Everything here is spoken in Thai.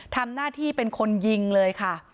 ทำหน้าที่เป็นคนยิงเลยค่ะ